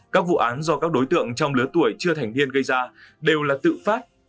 các vụ án do các đối tượng trong lứa tuổi chưa thành niên gây ra đều là tự phát